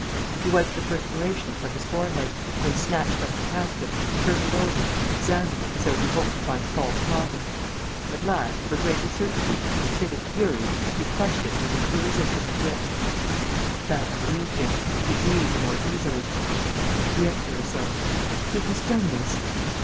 He wiped the perspiration from his forehead, then snatched up the casket, turned it over, examined it, as though he hoped to find a false bottom. At last, for greater certainty, in a fit of fury, he crushed it, with an irresistible grip. That relieved him. He breathed more easily. The Emperor said: "Who has done this?"